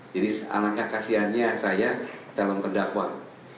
jadi alangkah kasihan saya dalam kendakwaan